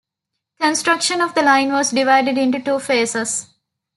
Construction of the line was divided into two phases.